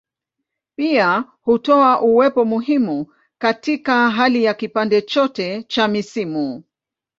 Pia hutoa uwepo muhimu katika hali ya kipande chote cha misimu.